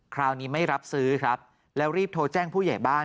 คราวนี้ไม่รับซื้อครับแล้วรีบโทรแจ้งผู้ใหญ่บ้าน